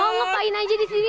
mau ngapain aja di sini